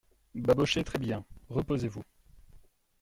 Babochet Très-bien ! reposez-vous.